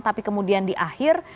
tapi kemudian di akhir